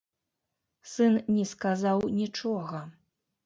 Сын не сказаў нічога.